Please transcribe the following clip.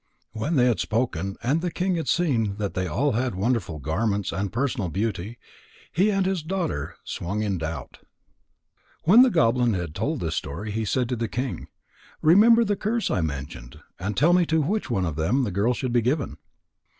When they had spoken, and the king had seen that they all had wonderful garments and personal beauty, he and his daughter swung in doubt. When the goblin had told this story, he said to the king: "Remember the curse I mentioned, and tell me to which of them the girl should be given."